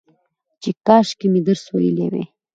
چې کاشکي مې درس ويلى وى